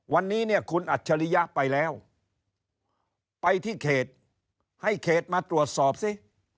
วันนี้เนี่ยคุณอัจฉริยะไปแล้วไปที่เขตให้เขตมาตรวจสอบสิ